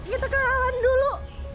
kita ke lalan dulu